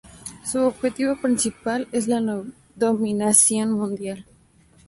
Su objetivo principal es la dominación mundial.